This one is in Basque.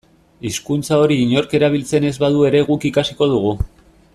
Hizkuntza hori inork erabiltzen ez badu ere guk ikasiko dugu.